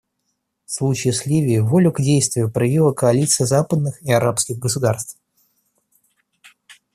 В случае с Ливией волю к действию проявила коалиция западных и арабских государств.